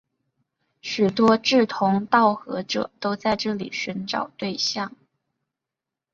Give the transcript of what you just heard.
许多志同道合者都在这里寻找对象。